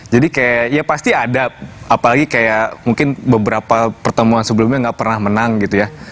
jadi kayak ya pasti ada apalagi kayak mungkin beberapa pertemuan sebelumnya gak pernah menang gitu ya